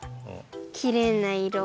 きれいないろ。